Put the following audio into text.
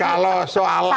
kalau soal angka